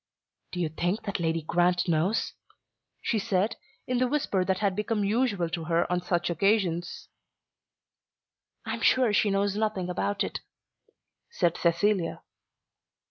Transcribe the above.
"Do you think that Lady Grant knows?" she said, in the whisper that had become usual to her on such occasions. "I am sure she knows nothing about it," said Cecilia.